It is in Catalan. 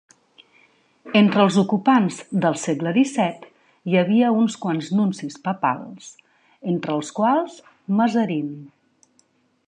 Entre els ocupants del segle XVII hi havia uns quants nuncis papals, entre els quals Mazarin.